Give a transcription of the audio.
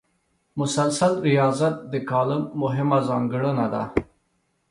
مسلسل ریاضت د کالم مهمه ځانګړنه ده.